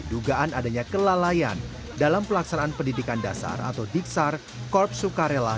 dugaan adanya kelalaian dalam pelaksanaan pendidikan dasar atau diksar korp sukarela